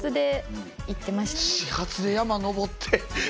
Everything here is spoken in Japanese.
始発で山登って。